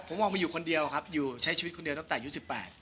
ผมออกมาอยู่คนเดียวครับอยู่ใช้ชีวิตคนเดียวตั้งแต่อายุ๑๘